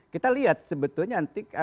kita lihat sebetulnya